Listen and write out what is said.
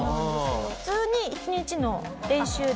普通に１日の練習で？